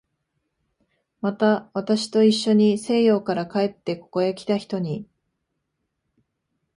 また、私といっしょに西洋から帰ってここへきた人に